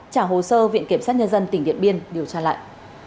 trả hồ sơ viện kiểm sát nhân dân tỉnh điện biên điều tra lại